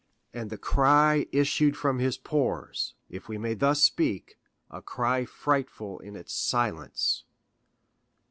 And the cry issued from his pores, if we may thus speak—a cry frightful in its silence.